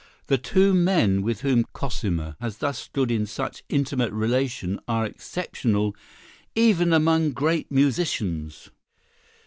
The two men with whom Cosima has thus stood in such intimate relation are exceptional even among great musicians.